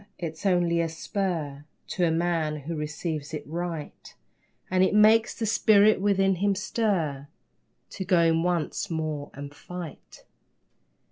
It's only a spur To a man who receives it right, And it makes the spirit within him stir To go in once more and fight.